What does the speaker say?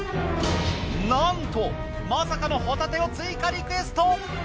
なんとまさかのホタテを追加リクエスト！